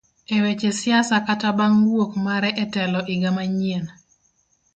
Eweche siasa kata bang wuok mare etelo iga manyien.